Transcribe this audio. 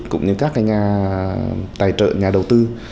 cũng như các nhà tài trợ nhà đầu tư